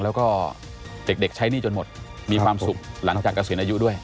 แล้วก็เด็กใช้หนี้จนหมดมีความสุขหลังจากเกษียณอายุด้วย